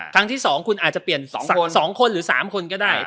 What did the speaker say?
ครั้งที่สองคุณอาจจะเปลี่ยนสองคนสองคนหรือสามคนก็ได้อ่า